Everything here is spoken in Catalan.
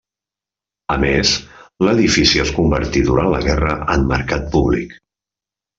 A més, l'edifici es convertí durant la guerra en mercat públic.